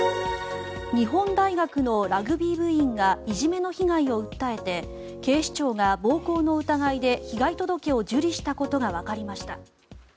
日本大学のラグビー部員がいじめの被害を訴えて警視庁が暴行の疑いで被害届を受理したことがわかりました。